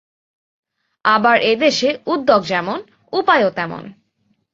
আবার এ দেশে উদ্যোগ যেমন, উপায়ও তেমন।